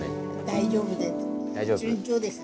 大丈夫です。